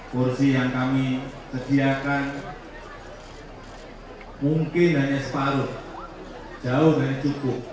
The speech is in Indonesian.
kursi yang kami sediakan mungkin hanya separuh jauh dari cukup